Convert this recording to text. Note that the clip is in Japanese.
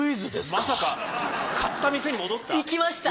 まさか買った店に戻った？